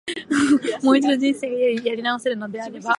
もう一度、人生やり直せるのであれば、